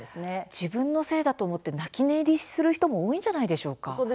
自分のせいだと思って泣き寝入りする人も多いんじゃないでしょうか。